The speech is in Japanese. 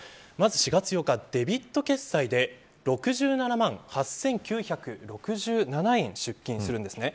４月８日、デビット決済で６７万８９６７円出金するんです。